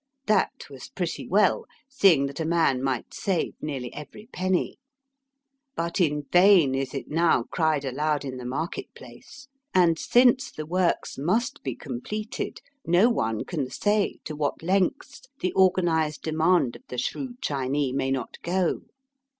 That was pretty well, seeing that a man might save nearly every penny. But in vain is it Digitized by VjOOQIC 138 EAST BY WEST. now cried aloud in the market place, and since the works must be completed, no one can say to what lengths the organized demand of the shrewd Chinee may not go.